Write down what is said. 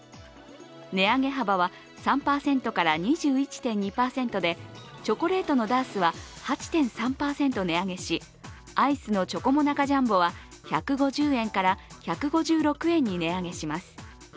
値上げ幅は３％から２１．２％でチョコレートのダースは８．３％値上げしアイスのチョコモナカジャンボは１５０円から１５６円に値上げします。